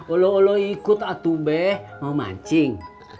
ola olo ikut atubeh mau mancing